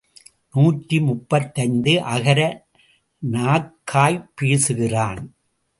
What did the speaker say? நூற்றி முப்பத்தைந்து அகர நாக்காய்ப் பேசுகிறான்.